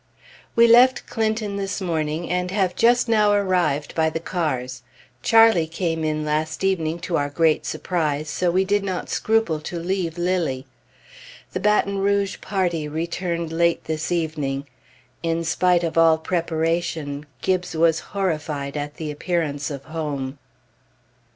We left Clinton this morning, and have just now arrived by the cars. Charlie came in last evening, to our great surprise, so we did not scruple to leave Lilly.... The Baton Rouge party returned late this evening. In spite of all preparation, Gibbes was horrified at the appearance of home.